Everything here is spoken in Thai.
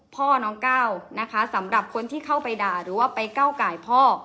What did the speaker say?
พ่อน้องก้าวนะคะสำหรับคนที่เข้าไปด่าหรือว่าไปก้าวไก่พ่อ